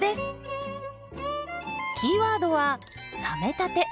キーワードは「冷めたて」。